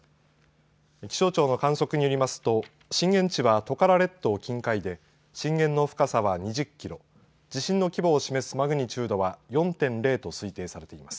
気象庁の観測によりますと震源地はトカラ列島近海で震源の深さは２０キロ地震の規模を示すマグニチュードは４．０と推定されています。